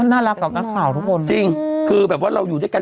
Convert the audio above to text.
น่ารักกับนักข่าวทุกคนจริงคือแบบว่าเราอยู่ด้วยกัน